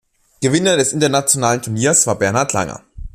Gewinner des internationalen Turniers war Bernhard Langer.